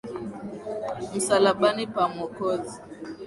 Msalabani pa Mwokozi,